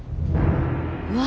うわ！